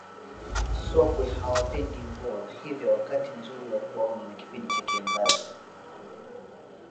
sokwe hawapendi mvua hivyo wakati mzuri wa kuwaona ni kipindi cha kiangazi